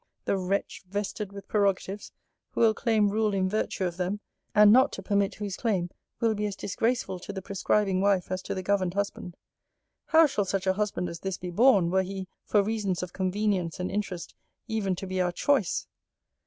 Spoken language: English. The wretch, vested with prerogatives, who will claim rule in virtue of them (and not to permit whose claim, will be as disgraceful to the prescribing wife as to the governed husband); How shall such a husband as this be borne, were he, for reasons of convenience and interest, even to be our CHOICE?